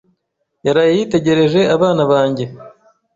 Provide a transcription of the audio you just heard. Yaraye yitegereje abana banjye.